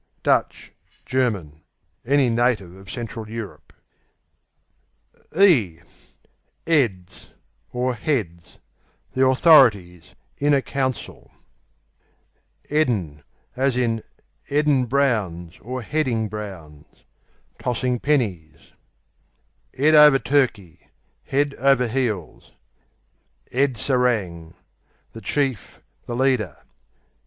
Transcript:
Dutch German; any native of Central Europe. 'Eads (Heads) The authorities; inner council. 'Eadin' "Heading browns"; tossing pennies. 'Ead over Turkey Head over heels. 'Ead Serang The chief; the leader.